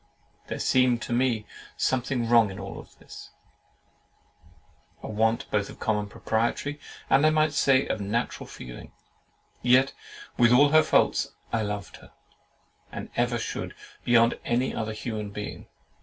There seemed to me something wrong in all this; a want both of common propriety, and I might say, of natural feeling; yet, with all her faults, I loved her, and ever should, beyond any other human being.